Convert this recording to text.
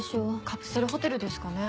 カプセルホテルですかね？